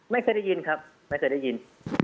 ไม่เคยได้ยินครับไม่เคยได้ยิน